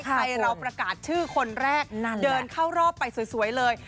ไทยเราประกาศชื่อคนแรกเดินเข้ารอบไปสวยเลย